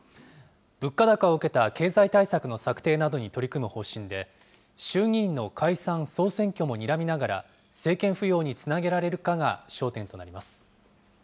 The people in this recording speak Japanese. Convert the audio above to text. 物価高を受けた経済対策の策定などに取り組む方針で、衆議院の解散・総選挙もにらみながら、政権浮揚につなげられるかが焦点となります。